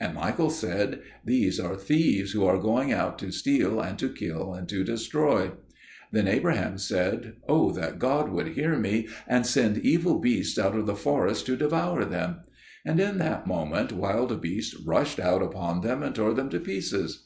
And Michael said, "These are thieves who are going out to steal and to kill and to destroy." Then Abraham said, "O that God would hear me and send evil beasts out of the forest to devour them!" And in that moment wild beasts rushed out upon them and tore them to pieces.